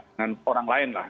dengan orang lain lah